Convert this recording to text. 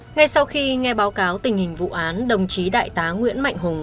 ngay sau khi nghe báo cáo tình hình vụ án đồng chí đại tá nguyễn mạnh hùng